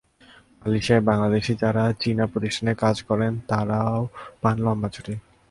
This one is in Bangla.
মালয়েশিয়ায় বাংলাদেশি যারা চীনা প্রতিষ্ঠানে কাজ করেন তারও পান লম্বা ছুটি।